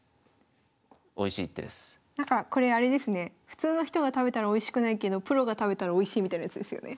普通の人が食べたらおいしくないけどプロが食べたらおいしいみたいなやつですよね？